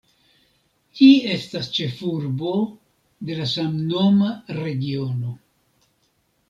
Ĝi estas ĉefurbo de la samnoma regiono.